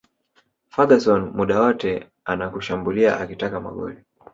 Ferguson muda wote anakushambulia akitaka magoli